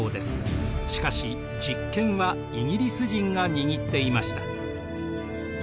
しかし実権はイギリス人が握っていました。